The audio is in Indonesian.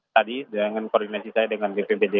tadi dengan koordinasi saya dengan bpmtj kabupaten